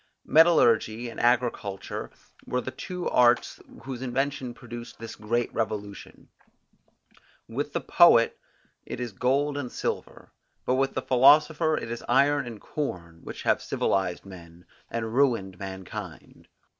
Metallurgy and agriculture were the two arts whose invention produced this great revolution. With the poet, it is gold and silver, but with the philosopher it is iron and corn, which have civilized men, and ruined mankind.